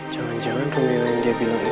jangan jangan romeo yang dia bilang itu